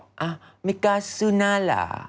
อ่ะมิกาซูนาล่ะ